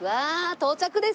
到着です！